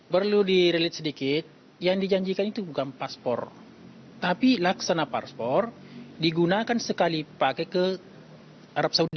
perlu di relit sedikit yang dijanjikan itu bukan paspor tapi laksana paspor digunakan sekali pakai ke arab saudi